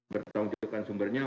bertanggung jawab sumbernya